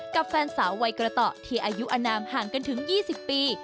กับแฟนสาววัยกระต่อที่อายุอนามห่างกันถึง๒๐ปี